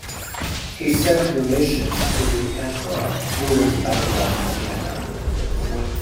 He sent munitions to the Emperor during the Battle of Vienna.